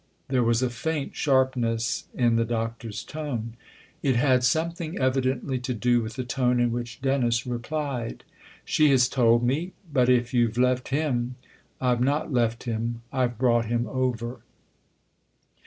There was a faint sharpness in the Doctor's tone. It had something evidently to do with the tone in which Dennis replied. " She has told me. But if you've left him "" I've not left him. I've brought him over."